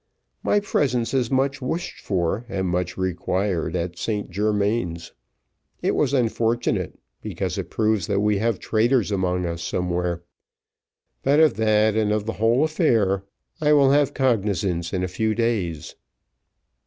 My presence is much wished for, and much required, at St Germains. It was unfortunate, because it proves that we have traitors among us somewhere; but of that, and of the whole affair, I will have cognizance in a few days."